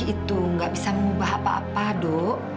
sedih itu gak bisa mengubah apa apa do